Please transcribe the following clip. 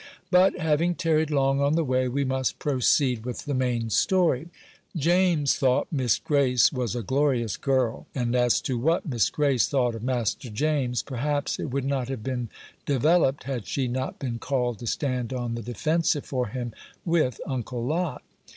But having tarried long on the way, we must proceed with the main story. James thought Miss Grace was a glorious girl; and as to what Miss Grace thought of Master James, perhaps it would not have been developed had she not been called to stand on the defensive for him with Uncle Lot.